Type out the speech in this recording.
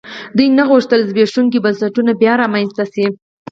دوی نه غوښتل زبېښونکي بنسټونه بیا رامنځته شي.